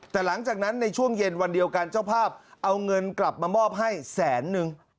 แต่หลังจากนั้นในช่วงเย็นวันเดียวกันเจ้าภาพเอาเงินกลับมามอบให้แสนนึง